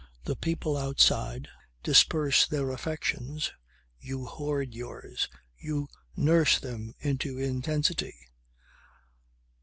The people outside disperse their affections, you hoard yours, you nurse them into intensity.